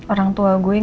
orang tua gue